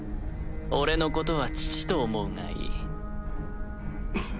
俺のことは父と思うがいい。